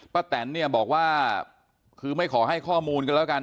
ป้าแตนบอกว่าคือไม่ขอให้ข้อมูลกันแล้วกัน